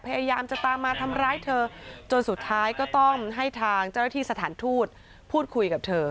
พยายามจะตามมาทำร้ายเธอจนสุดท้ายก็ต้องให้ทางเจ้าหน้าที่สถานทูตพูดคุยกับเธอ